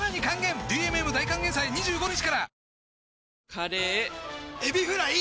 カレーエビフライ！